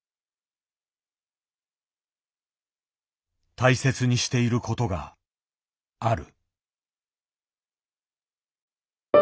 大切にしていることがある。